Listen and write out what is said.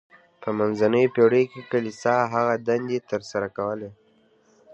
په منځنیو پیړیو کې کلیسا هغه دندې تر سره کولې.